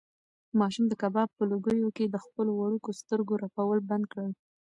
ماشوم د کباب په لوګیو کې د خپلو وړوکو سترګو رپول بند کړل.